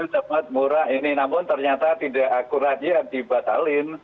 cepat murah ini namun ternyata tidak akurat ya dibatalin